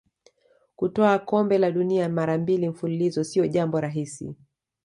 kutwaa kombe la dunia mara mbili mfululizo sio jambo rahisi